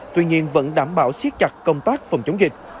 tuy nhiên vẫn đảm bảo siết chặt công tác phòng chống dịch